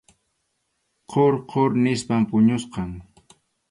Qhur qhur nispam puñuchkan.